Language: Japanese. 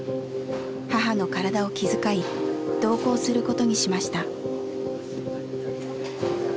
母の体を気遣い同行することにしました。